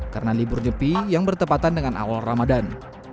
karena liburnya pi yang bertepatan dengan awal ramadan